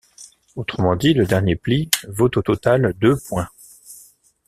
Autrement dit, le dernier pli vaut au total deux points.